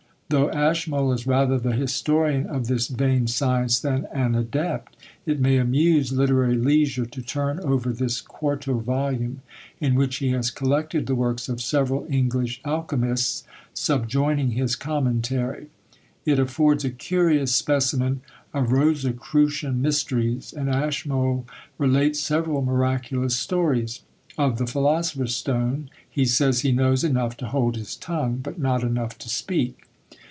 Though Ashmole is rather the historian of this vain science than an adept, it may amuse literary leisure to turn over this quarto volume, in which he has collected the works of several English alchymists, subjoining his commentary. It affords a curious specimen of Rosicrucian mysteries; and Ashmole relates several miraculous stories. Of the philosopher's stone, he says he knows enough to hold his tongue, but not enough to speak.